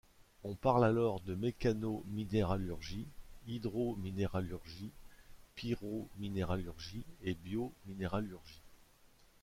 On parle alors de mécanominéralurgie, hydrominéralurgie, pyrominéralurgie et biominéralurgie.